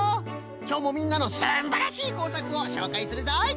きょうもみんなのすんばらしいこうさくをしょうかいするぞい！